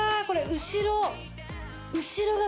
これ後ろ